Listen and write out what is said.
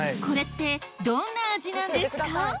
これってどんな味なんですか？